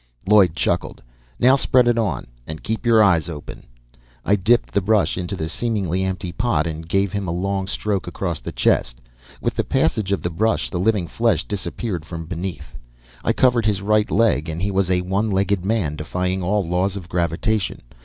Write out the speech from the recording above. Lloyd chuckled. "Now spread it on, and keep your eyes open." I dipped the brush into the seemingly empty pot, and gave him a long stroke across his chest. With the passage of the brush the living flesh disappeared from beneath. I covered his right leg, and he was a one legged man defying all laws of gravitation.